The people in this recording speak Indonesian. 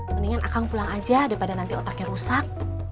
mendingan akan pulang aja daripada nanti otaknya rusak